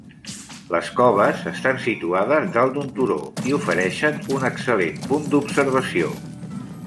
Les coves estan situades dalt d'un turó i ofereixen un excel·lent punt d'observació.